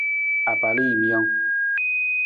Apalajiimijang.